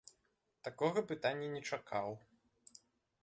Такога пытання не чакаў.